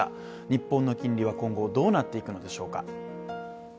日本の金利は今後どうなっていくんでしょうか